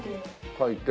書いて。